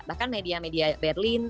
bahkan media media berlin